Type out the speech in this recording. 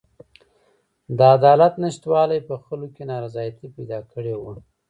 د عدالت نشتوالي په خلکو کې نارضایتي پیدا کړې وه.